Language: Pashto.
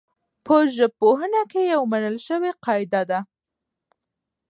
په ژبپوهنه کي يوه منل سوې قاعده ده.